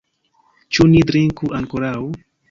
Ĉu ni drinku ankoraŭ?